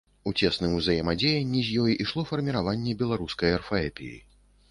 У цесным узаемадзеянні з ёй ішло фарміраванне беларускай арфаэпіі.